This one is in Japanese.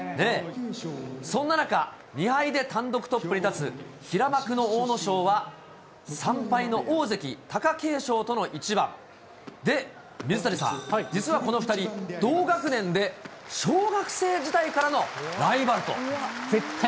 そんな中、２敗で単独トップに立つ平幕の阿武咲は、３敗の大関・貴景勝との一番。で、水谷さん、実はこの２人、同学年で、小学生時代からのライバルと。